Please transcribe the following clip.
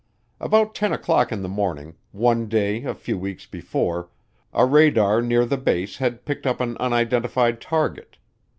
About ten o'clock in the morning, one day a few weeks before, a radar near the base had picked up an unidentified target.